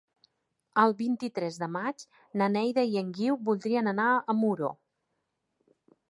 El vint-i-tres de maig na Neida i en Guiu voldrien anar a Muro.